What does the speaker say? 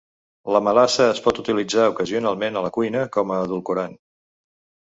La melassa es pot utilitzar ocasionalment a la cuina com a edulcorant